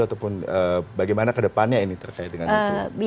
ataupun bagaimana kedepannya ini terkait dengan itu